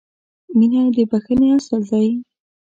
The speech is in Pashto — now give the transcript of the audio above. • مینه د بښنې اصل دی.